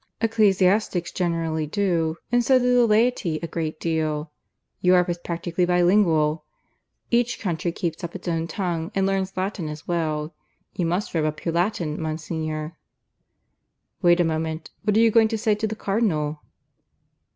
"Ecclesiastics generally do. And so do the laity a good deal. Europe is practically bi lingual. Each country keeps up its own tongue, and learns Latin as well. You must rub up your Latin, Monsignor." "Wait a moment. What are you going to say to the Cardinal?"